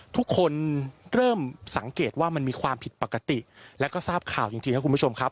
ทุกคนเริ่มสังเกตว่ามันมีความผิดปกติแล้วก็ทราบข่าวจริงครับคุณผู้ชมครับ